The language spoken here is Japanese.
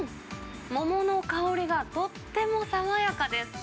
桃の香りがとっても爽やかです。